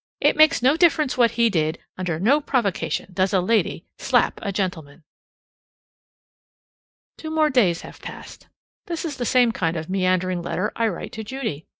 It makes no difference what he did. Under no provocation does a lady slap a gentleman." Two more days have passed; this is the same kind of meandering letter I write to Judy.